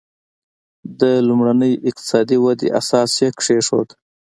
د لومړنۍ اقتصادي ودې اساس یې کېښود.